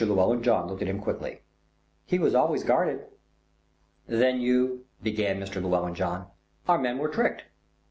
Llewellyn John looked at him quickly. "He was always guarded." "Then you " began Mr. Llewellyn John. "Our men were tricked."